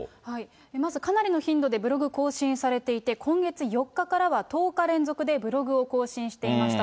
まずかなりの頻度でブログを更新されていて、今月４日からは１０日連続でブログを更新していました。